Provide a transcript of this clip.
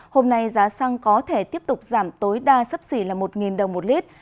hôm nay giá xăng có thể tiếp tục giảm tối đa sấp xỉ là một đồng một lít